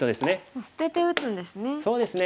もう捨てて打つんですね。